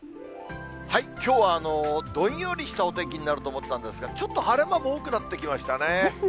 きょうはどんよりしたお天気になると思ったんですが、ちょっと晴れ間も多くなってきましたね。